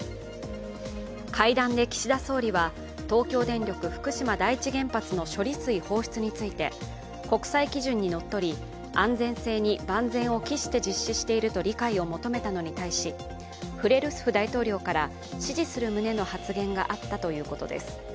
会談で岸田総理は東京電力・福島第一原発の処理水放出について国際基準にのっとり、安全性に万全を期して実施していると理解を求めたのに対し、フレルスフ大統領から支持する旨の発言があったということです。